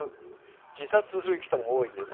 自殺する人も多いんです。